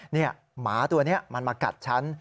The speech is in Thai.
นี่หมาตัวนี้มันมากัดฉัน